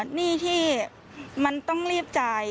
หนี้ที่มันต้องรีบจ่าย